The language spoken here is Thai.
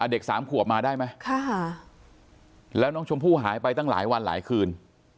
เด็กสามขวบมาได้ไหมแล้วน้องชมพู่หายไปตั้งหลายวันหลายคืน